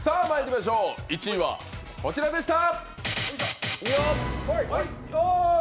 １位はこちらでした。